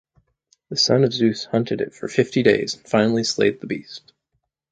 The son of Zeus hunted it for fifty days and finally slayed the beast.